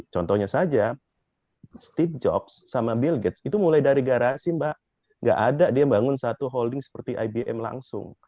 contohnya saja steed job sama bill gates itu mulai dari garasi mbak nggak ada dia bangun satu holding seperti ibm langsung